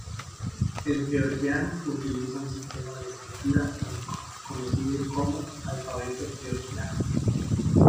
El georgiano utiliza un sistema de escritura único, conocido como alfabeto georgiano.